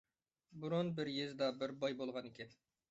بۇرۇن بىر يېزىدا بىر باي بولغانىكەن.